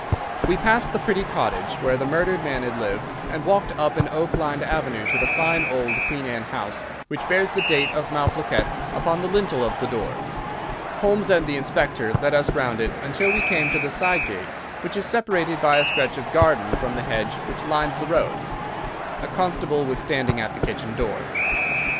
We passed the pretty cottage where the murdered man had lived, and walked up an oak lined avenue to the fine old Queen Anne house, which bears the date of Malplaquet upon the lintel of the door. Holmes and the Inspector led us round it until we came to the side gate, which is separated by a stretch of garden from the hedge which lines the road. A constable was standing at the kitchen door.